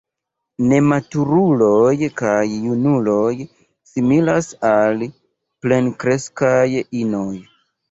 Nematuruloj kaj junuloj similas al plenkreskaj inoj.